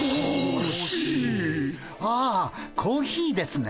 ああコーヒーですね